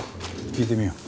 聞いてみよう。